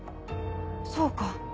そうか。